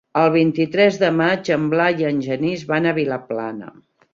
El vint-i-tres de maig en Blai i en Genís van a Vilaplana.